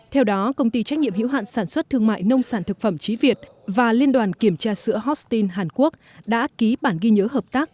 theo đó công ty trách nhiệm hiệu hạn sản xuất thương mại nông sản thực phẩm trí việt và liên đoàn kiểm tra sữa hostin hàn quốc đã ký bản ghi nhớ hợp tác